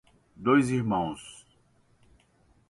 Dois Irmãos